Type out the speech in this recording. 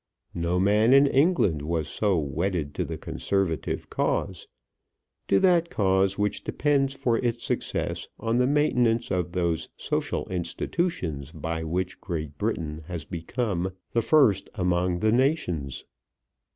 No man in England was so wedded to the Conservative cause, to that cause which depends for its success on the maintenance of those social institutions by which Great Britain has become the first among the nations.